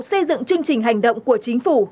xây dựng chương trình hành động của chính phủ